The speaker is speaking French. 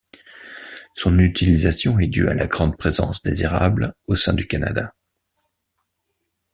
Son utilisation est due à la grande présence des érables au sein du Canada.